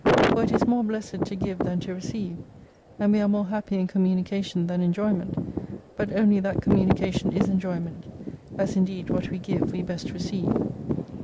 For it is more blessed to give than to receive; and we are more happy in communication than enjoyment, but only that communication is enjoyment ; as indeed what we give we best receive.